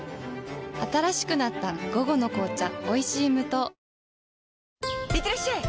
新しくなった「午後の紅茶おいしい無糖」いってらっしゃい！